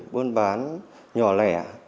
buôn bán nhỏ lẻ